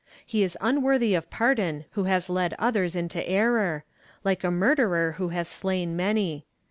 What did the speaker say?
He is unworthy of pardon who has led others into error, like a murderer who has slain many.